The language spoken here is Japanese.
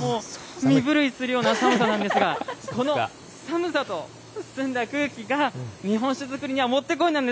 もう身震いするような寒さなんですが、この寒さと澄んだ空気が、日本酒造りにはもってこいなんです。